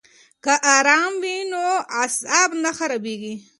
که آرام وي نو اعصاب نه خرابیږي.